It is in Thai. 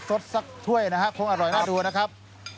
สดสักถ้วยนะฮะคงอร่อยน่าดูนะครับ